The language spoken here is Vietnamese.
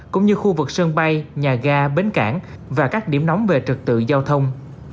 cũng như khu vực sân bay nhà ga bến cảng và các điểm nóng về trực tự giao thông